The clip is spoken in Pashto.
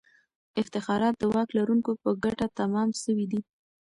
افتخارات د واک لرونکو په ګټه تمام سوي دي.